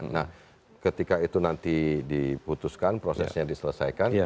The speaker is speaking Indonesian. nah ketika itu nanti diputuskan prosesnya diselesaikan